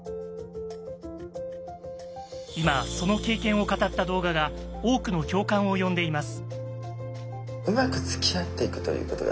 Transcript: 今その経験を語った動画が多くの共感を呼んでいます。